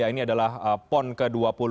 ini adalah pon ke dua puluh